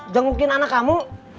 jengukin anak kamu